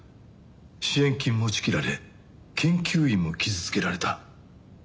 支援金も打ち切られ研究員も傷つけられた。